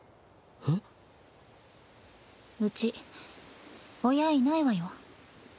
えっ？うち親いないわよ。